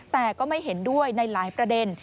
แต่ก็ไม่เห็นด้วยในหลายประเด็น